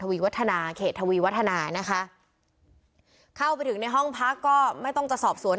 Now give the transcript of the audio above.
วีวัฒนาเขตทวีวัฒนานะคะเข้าไปถึงในห้องพักก็ไม่ต้องจะสอบสวน